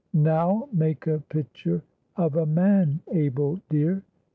Now make a pitcher of a MAN, Abel dear!"